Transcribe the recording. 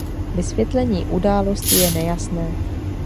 Vysvětlení události je nejasné.